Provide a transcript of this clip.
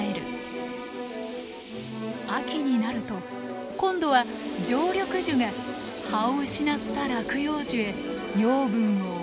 秋になると今度は常緑樹が葉を失った落葉樹へ養分を送る。